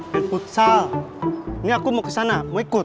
penputsal ini aku mau ke sana mau ikut